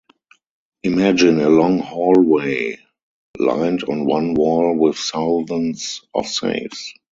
Imagine a long hallway, lined on one wall with thousands of safes.